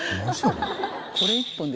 これ１本で？